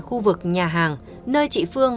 khu vực nhà hàng nơi chị phương